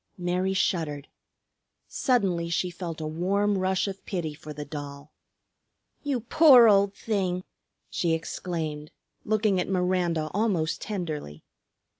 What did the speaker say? Mary shuddered. Suddenly she felt a warm rush of pity for the doll. "You poor old thing!" she exclaimed, looking at Miranda almost tenderly.